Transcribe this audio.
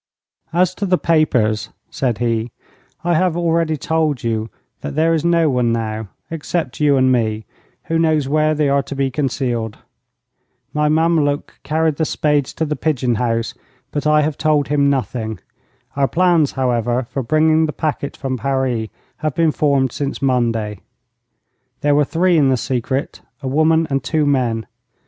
'As to the papers,' said he, 'I have already told you that there is no one now, except you and me, who knows where they are to be concealed. My Mameluke carried the spades to the pigeon house, but I have told him nothing. Our plans, however, for bringing the packet from Paris have been formed since Monday. There were three in the secret, a woman and two men.